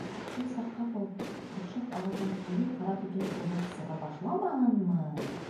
Шул саҡ ҡапыл көршәк ауыҙынан ҡуйы ҡара төтөн урғылып сыға башламаһынмы!